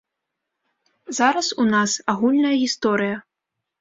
Зараз у нас агульная гісторыя.